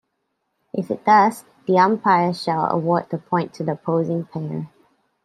If it does, the umpire shall award the point to the opposing pair.